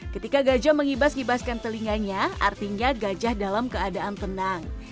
ketika gajah mengibas ibaskan telinganya artinya gajah dalam keadaan tenang